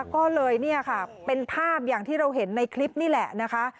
ก็เลยเนี่ยค่ะเป็นภาพอย่างที่เราเห็นในคลิปนี่แหละนะคะ